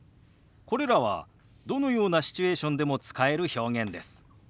これらはどのようなシチュエーションでも使える表現です。